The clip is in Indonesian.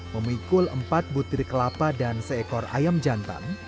memikul empat butir kelapa dan seekor ayam jantan